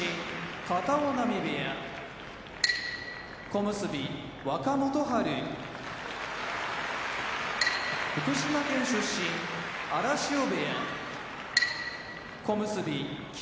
片男波部屋小結・若元春福島県出身荒汐部屋小結・霧